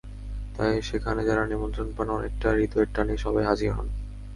তাই সেখানে যাঁরা আমন্ত্রণ পান, অনেকটা হৃদয়ের টানেই সবাই হাজির হন।